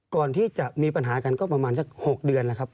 ก่อนที่จะมีปัญหากันก็ประมาณสัก๖เดือนแล้วครับ